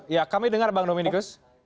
ya kami dengar bang dominikus